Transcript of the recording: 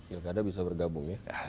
ya kadang bisa bergabung ya